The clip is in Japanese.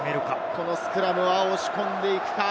このスクラムは押し込んでいくか。